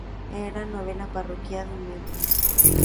Era la novena parroquia en Memphis.